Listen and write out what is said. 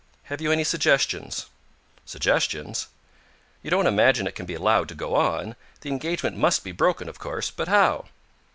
Have you any suggestions?" "Suggestions?" "You don't imagine it can be allowed to go on? The engagement must be broken, of course. But how?"